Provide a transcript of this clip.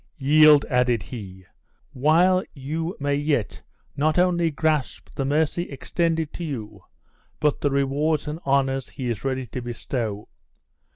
"Yield," added he, "while you may yet not only grasp the mercy extended to you, but the rewards and the honors he is ready to bestow.